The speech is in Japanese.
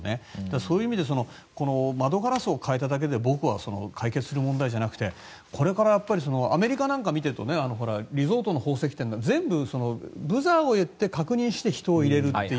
そういう意味で窓ガラスを変えただけで僕は、解決する問題じゃなくてアメリカなんか見ているとリゾートの宝石店なんか全部ブザーをやって確認して人を入れるという。